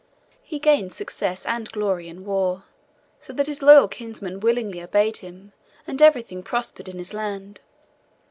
He gained success and glory in war, so that his loyal kinsmen willingly obeyed him, and everything prospered in his land.